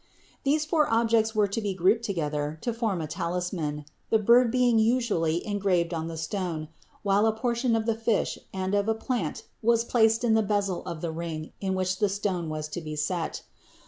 These four objects were to be grouped together to form a talisman, the bird being usually engraved on the stone, while a portion of the fish and of the plant was placed in the bezel of the ring in which the stone was to be set.